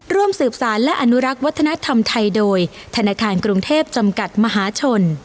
ร่วมสืบสารและอนุรักษ์วัฒนธรรมไทยโดยธนาคารกรุงเทพจำกัดมหาชน